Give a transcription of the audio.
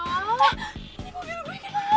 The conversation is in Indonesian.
ini mobil gue kenapa